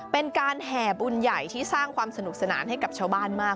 เป็นการแห่บุญใหญ่ที่สร้างความสนุกสนานให้กับชาวบ้านมาก